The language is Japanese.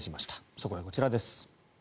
そこでこちらです。